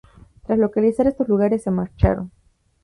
Tras localizar estos lugares, se marcharon.